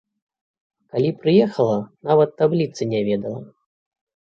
Калі прыехала, нават табліцы не ведала.